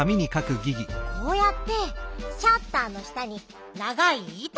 こうやってシャッターの下にながいいたを入れる。